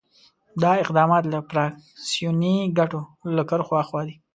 دا اقدامات له فراکسیوني ګټو له کرښو آخوا دي.